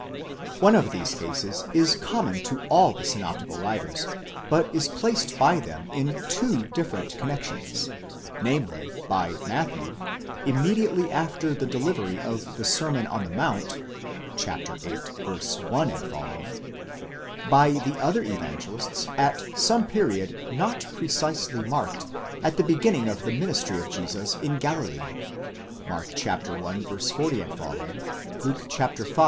One of these cases is common to all the synoptical writers, but is placed by them in two different connexions : namely, by Matthew, immediately after the delivery of the Sermon on the Mount (vili. 1 ff.) ; by the other Evangelists, at some period, not precisely marked, at the beginning of the ministry of Jesus in Galilee (Mark i. 40 ff. ; Luke v.